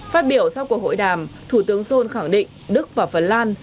phát biểu sau cuộc hội đàm thủ tướng sol khẳng định đức và phần lan